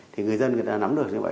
thì người dân người ta nắm được như vậy